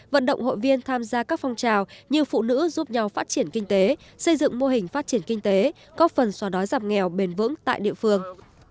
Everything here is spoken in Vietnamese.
vận động hội viên tham gia các phong trào như phụ nữ giúp nhau phát triển kinh tế xây dựng mô hình phát triển kinh tế góp phần xóa đói giảm nghèo bền vững tại địa phương